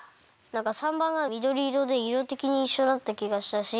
なんか③ばんはみどりいろでいろてきにいっしょだったきがしたし。